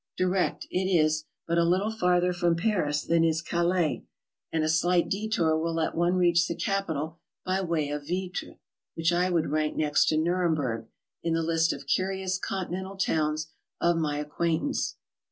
Direct, it is but a little farther from Paris than is Calais, and a slight detour will let one reach the capital by way of Vitre, which I would rank next to Nuremburg in the list of curious Continental towns of my acquaintance.